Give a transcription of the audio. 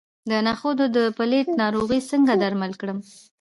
د نخودو د پیلټ ناروغي څنګه درمل کړم؟